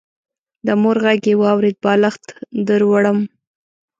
د مور غږ يې واورېد: بالښت دروړم.